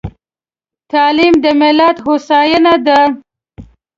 تعليم د ملت هوساينه ده.